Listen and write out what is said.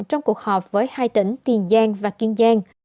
trong cuộc họp với hai tỉnh tiền giang và kiên giang